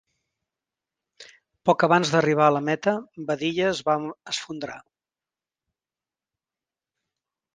Poc abans d'arribar a la meta, Badilla es va esfondrar.